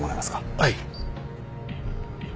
はい。